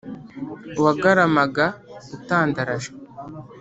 wagaramaga utandaraje